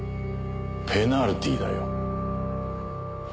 ペナルティーだよ。